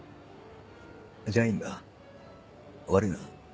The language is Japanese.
じゃあいいんだ悪いな。